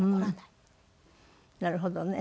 なるほどね。